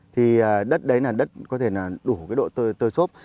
thì đất đấy là đất có thể là đủ cái độ tơi xốp